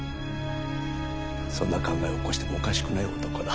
そんな考えを起こしてもおかしくない男だ。